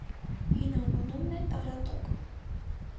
Հին անվանումն է «տարատոկ»։